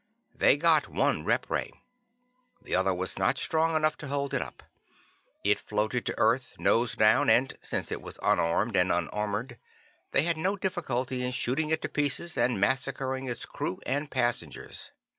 They got one rep ray. The other was not strong enough to hold it up. It floated to earth, nose down, and since it was unarmed and unarmored, they had no difficulty in shooting it to pieces and massacring its crew and passengers.